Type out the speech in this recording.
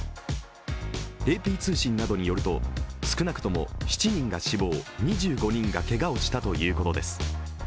ＡＰ通信などによると、少なくとも７人が死亡、２５人がけがをしたということです。